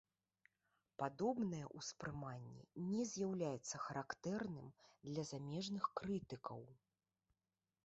Падобнае ўспрыманне не з'яўляецца характэрным для замежных крытыкаў.